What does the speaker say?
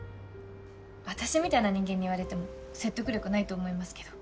私みたいな人間に言われても説得力ないと思いますけど。